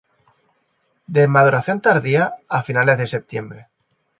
De maduración tardía, a finales de septiembre.